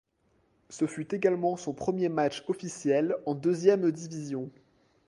Ce fut également son premier match officiel en Deuxième division.